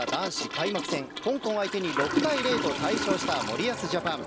開幕戦香港相手に６対０と大勝した森保ジャパン。